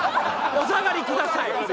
お下がりください